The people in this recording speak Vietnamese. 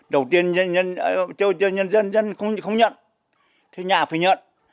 đầu tiên nhân dân không nhận thì nhà phải nhận